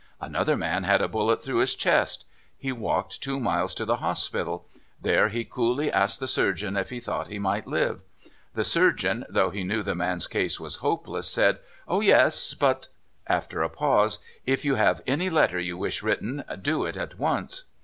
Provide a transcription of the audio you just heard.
Another man had a bullet through his chest. He walked two miles to the hospital; there he coolly asked the surgeon if he thought he might live. The surgeon, though he knew the man's case was hopeless, said, "Oh yes; but" (after a pause) "if you have any letter you wish written, do it at once."